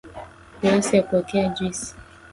Glasi ya kuwekea juisi